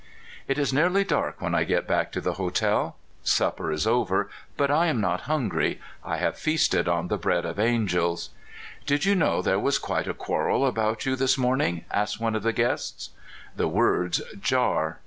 It is nearly dark when I get back to the hotel. A DAY. 247 Supper is over, but I am not hungry I have feasted on the bread of angels. "Did you know there was quite a quarrel about you this morning?" asks one of the guests. The words jar.